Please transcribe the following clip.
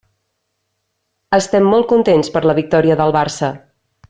Estem molt contents per la victòria del Barça.